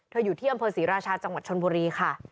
อยู่ที่อำเภอศรีราชาจังหวัดชนบุรีค่ะ